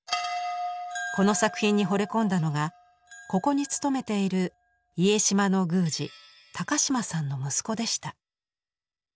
この作品にほれ込んだのがここに勤めている家島の宮司島さんの息子でした。